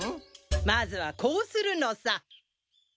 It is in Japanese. まずはこうするのさ。